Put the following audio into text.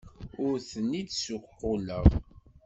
Ur ten-id-ssuqquleɣ.